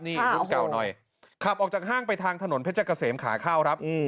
นี่รุ่นเก่าหน่อยขับออกจากห้างไปทางถนนเพชรเกษมขาเข้าครับ